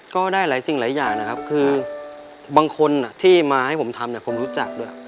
ก็ได้หลายสิ่งหลายอย่างนะครับคือบางคนที่มาให้ผมทำเนี่ยผมรู้จักด้วย